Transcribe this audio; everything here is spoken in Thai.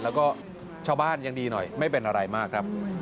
แล้วก็ชาวบ้านยังดีหน่อยไม่เป็นอะไรมากครับ